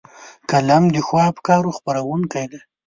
قلم د ښو افکارو خپرونکی دی